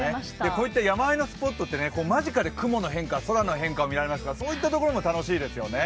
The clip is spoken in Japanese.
こういった山あいのスポットって間近で雲の変化、空の変化を見られますので、そういったところも楽しいですよね。